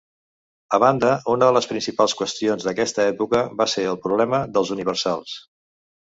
A banda, una de les principals qüestions d'aquesta època va ser el problema dels universals.